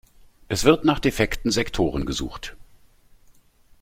Es wird nach defekten Sektoren gesucht.